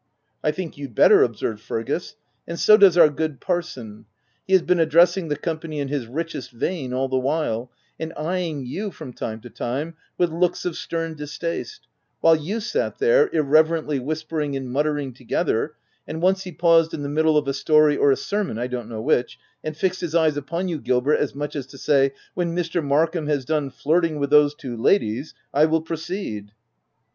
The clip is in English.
t€ I think you'd better/' observed Fergus 5 " and so does our good parson : he has been addressing the company in his richest vein all the while, and eyeing you, from time to time, with looks of stern distaste, while you sat there, irreverently whispering and muttering together ; and once he paused in the middle of a story — or a sermon, I don't know which, and fixed his eyes upon you, Gilbert, as much as to say — 'When Mr. Markham has done flirting with those two ladies I will proceed